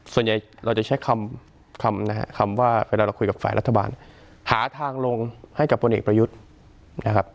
ส่วนใหญ่เราจะใช้คำนะครับคำว่าเวลาเราคุยกับฝ่ายรัฐบาลหาทางลงให้กับพลเอกประยุทธ์นะครับ